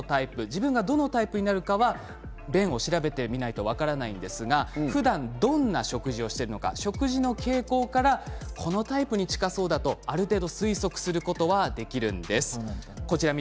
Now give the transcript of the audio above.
自分がどのタイプになるかは便を調べてみないと分からないんですが、ふだんどんな食事をしているのか食事の傾向からこのタイプに近そうだとある程度、推測することができるんです。